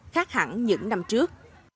khác hẳn những năm trước